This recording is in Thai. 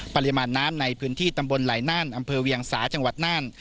ปริมาณน้ำในพื้นที่ตำบลไหลน่านอำเภอเวียงสาจังหวัดน่าน